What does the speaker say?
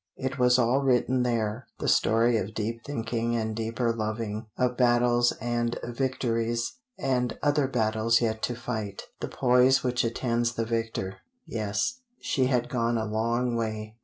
It was all written there the story of deep thinking and deeper loving, of battles and victories, and other battles yet to fight, the poise which attends the victor yes, she had gone a long way.